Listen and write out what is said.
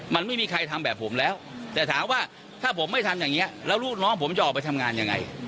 มันไม่มีใครทำแบบผมแล้วแต่ถามว่าถ้าผมไม่ทำอย่างนี้แล้วลูกน้องผมจะออกไปทำงานยังไง